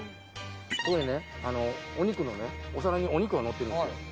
そこにねお肉のねお皿にお肉がのってるんですよ。